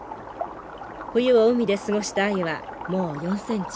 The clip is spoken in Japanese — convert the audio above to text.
冬を海で過ごしたアユはもう４センチ。